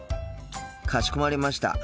かしこまりました。